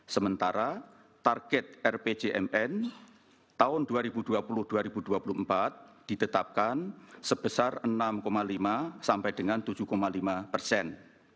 sementara target rpjmn tahun dua ribu dua puluh dua ribu dua puluh empat ditetapkan sebesar enam lima sampai dengan tujuh lima persen